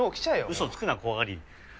嘘つくな怖がり！